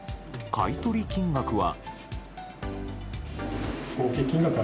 買い取り金額は。